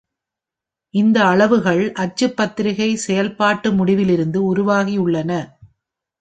இந்த அளவுகள் அச்சு பத்திரிகை செயல்பாட்டு முடிவிலிருந்து உருவாகியுள்ளன.